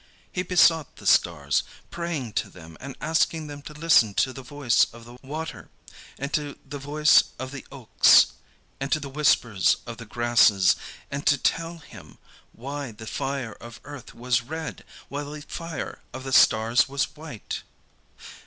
He besought the stars, praying to them and asking them to listen to the voice of the water, and to the voice of the oaks and to the whispers of the grasses, and to tell him why the fire of earth was red, while the fire of the stars was white.